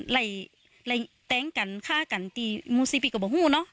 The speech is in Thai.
ไหล่ไหล่แต้งกันฆ่ากันตีมุษิภิกษ์ก็บอกฮู้เนอะ